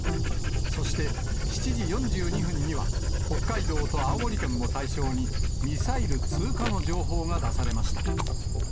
そして、７時４２分には、北海道と青森県を対象に、ミサイル通過の情報が出されました。